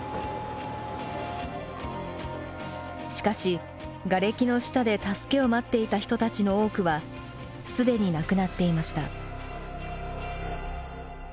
しかしがれきの下で助けを待っていた人たちの多くは既に亡くなっていました。